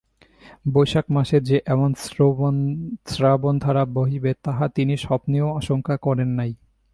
বৈশাখ মাসে যে এমন শ্রাবণধারা বহিবে তাহা তিনি স্বপ্নেও আশঙ্কা করেন নাই।